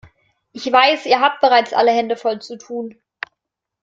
Ich weiß, ihr habt bereits alle Hände voll zu tun.